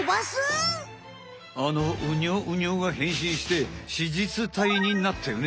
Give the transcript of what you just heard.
あのウニョウニョが変身して子実体になったよね。